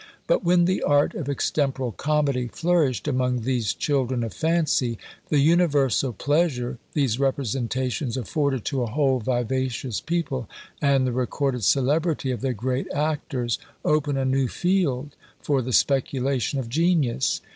But when the art of Extemporal Comedy flourished among these children of fancy, the universal pleasure these representations afforded to a whole vivacious people, and the recorded celebrity of their great actors, open a new field for the speculation of genius.